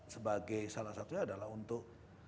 sebagai salah satunya adalah untuk